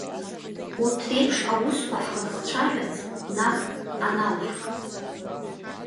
Урҭ реиԥш аусқәа ҳрыхцәажәарц нап аналаҳк.